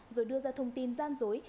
rồi đưa ra thông tin gian dối